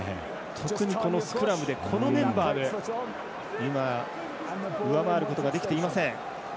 特に、スクラムでこのメンバーで今、上回ることができていません。